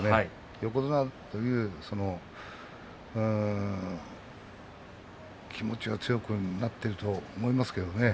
横綱という気持ちは強くなっていると思いますけどね。